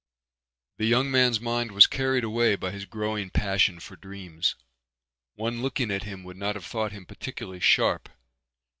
The young man's mind was carried away by his growing passion for dreams. One looking at him would not have thought him particularly sharp.